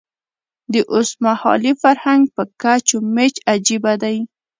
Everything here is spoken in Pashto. د اوسمهالي فرهنګ په کچ و میچ عجیبه دی.